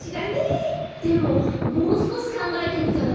でももうすこしかんがえてみたら？